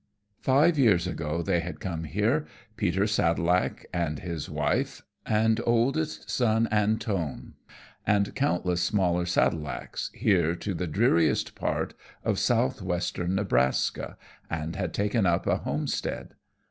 Five years ago they had come here, Peter Sadelack, and his wife, and oldest son Antone, and countless smaller Sadelacks, here to the dreariest part of south western Nebraska, and had taken up a homestead.